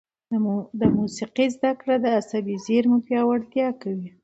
د موسیقي زده کړه د عصبي زېرمو پیاوړتیا کوي.